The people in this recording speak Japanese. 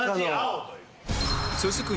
続く